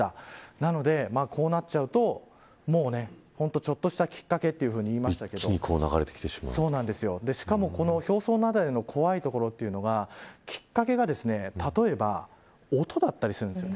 なので、こうなっちゃうと本当に、ちょっとしたきっかけと言いましたけれどもしかも、表層雪崩の怖いところというのがきっかけが例えば音だったりするんです。